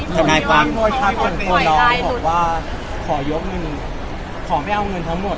ทนายความส่วนตัวน้องบอกว่าขอยกเงินขอไม่เอาเงินทั้งหมด